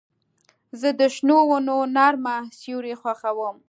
زه د شنو ونو نرمه سیوري خوښوم.